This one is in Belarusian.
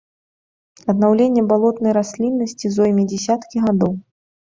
Аднаўленне балотнай расліннасці зойме дзясяткі гадоў.